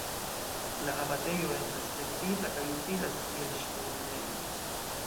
La abatejo estas vendita kaj utilas kiel ŝtonminejo.